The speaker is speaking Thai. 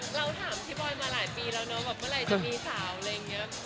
เราถามที่บอยมาหลายปีแล้วเมื่อไรจะมีสาว